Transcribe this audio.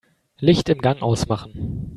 Licht im Gang ausmachen.